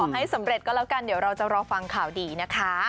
ให้สำเร็จก็แล้วกันเดี๋ยวเราจะรอฟังข่าวดีนะคะ